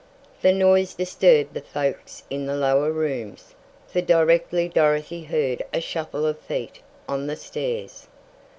The noise disturbed the folks in the lower rooms, for directly Dorothy heard a shuffle of feet on the stairs.